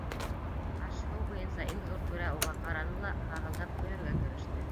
Аш-Һыу буйынса иң ҙур түрә уға ҡараны ла һаһылдап көлөргә кереште.